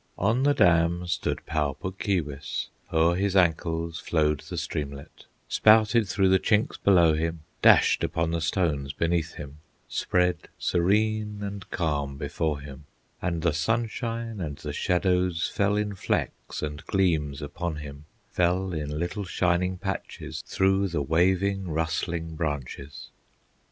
On the dam stood Pau Puk Keewis, O'er his ankles flowed the streamlet, Spouted through the chinks below him, Dashed upon the stones beneath him, Spread serene and calm before him, And the sunshine and the shadows Fell in flecks and gleams upon him, Fell in little shining patches, Through the waving, rustling branches.